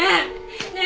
ねえ！